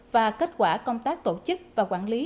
và kết quả công tác tổ chức và quản lý